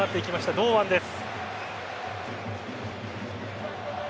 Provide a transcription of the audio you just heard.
堂安です。